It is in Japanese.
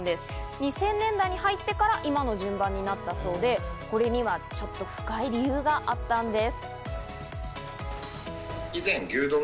２０００年代に入ってから今の順番になったそうで、これにはちょっと深い理由があったんです。